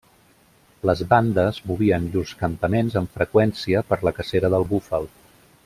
Les bandes movien llurs campaments amb freqüència per la cacera del búfal.